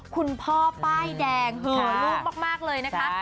คุณพ่อป้ายแดงเหอลูกมากเลยนะคะ